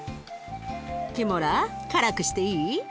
キモラ辛くしていい？